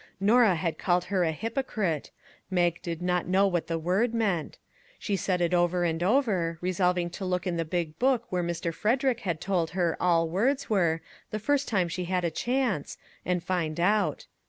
Norah had called her a hypocrite. Mag did not know what the word meant ; she said it over and over, resolving to look in the big book where Mr. Frederick had told her all words were, the first time she had a chance, and find out.